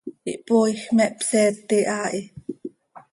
Ihpooij, me hpseeti haa hi.